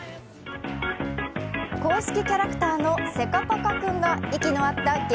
公式キャラクターのセカパカくんが息の合った激